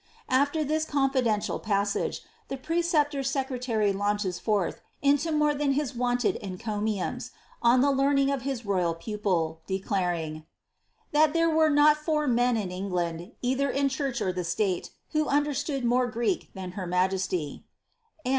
Afier this contidential passage, the preceptor secretary launches forth into more than his wonted encomiums, on the learning of his royal pu pil, declariiiiT ^ that there were not four men in England, either in church or the state, who understood more Greek than her majesty ;" and.